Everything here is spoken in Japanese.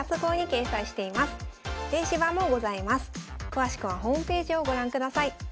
詳しくはホームページをご覧ください。